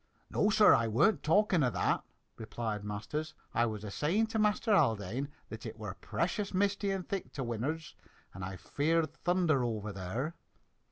"No, sir, I weren't talking o' that," replied Masters. "I was a saying to Master Haldane that it were precious misty and thick to win'ard and I feared thunder over there."